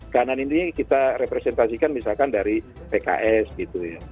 kanan ini kita representasikan misalkan dari pks gitu ya